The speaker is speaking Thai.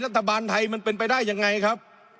รัฐบาลไทยมันเป็นไปได้ยังไงครับ